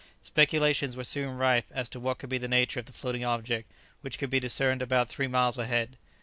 Speculations were soon rife as to what could be the nature of the floating object which could be discerned about three miles ahead.